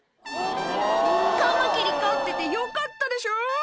「カマキリ飼っててよかったでしょ？」